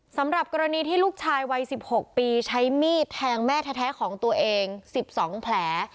สำหรับกรณีที่ลูกชายวัย๑๖ปีใช้มีดแทงแม่แท้ของตัวเอง๑๒แผล